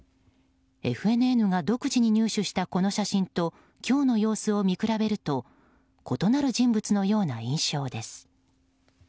ＦＮＮが独自に入手したこの写真と今日の様子を見比べると異なる人物のような印象です。